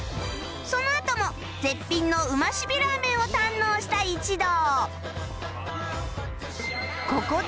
そのあとも絶品のうまシビラーメンを堪能した一同